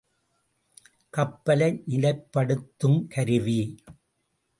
கப்பலை நிலைப்படுத்துங் கருவி.